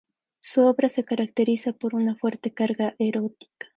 Su obra se caracteriza por una fuerte carga erótica.